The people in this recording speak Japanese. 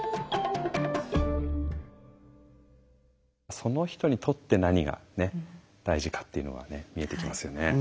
その人にとって何が大事かっていうのがね見えてきますよね。